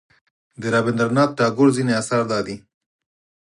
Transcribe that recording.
د رابندر ناته ټاګور ځینې اثار دادي.